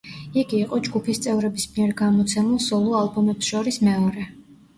იგი იყო ჯგუფის წევრების მიერ გამოცემულ სოლო-ალბომებს შორის მეორე.